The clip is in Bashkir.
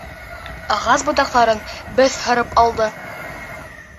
Ағас ботаҡтарын бәҫ һырып алды.